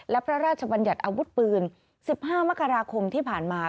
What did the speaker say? และพระราชบัญญัติอาวุธปืน๑๕มกราคมที่ผ่านมา